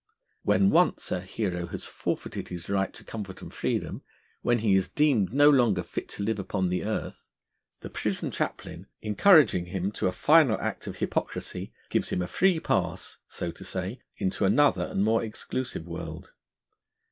When once a hero has forfeited his right to comfort and freedom, when he is deemed no longer fit to live upon earth, the Prison Chaplain, encouraging him to a final act of hypocrisy, gives him a free pass (so to say) into another and more exclusive world.